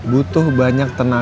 butuh banyak tenaga